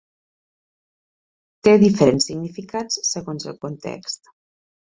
Té diferents significats segons el context.